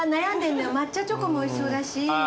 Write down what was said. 抹茶チョコもおいしそうだし。